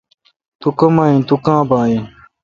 تو کما این۔۔تو کاں با این؟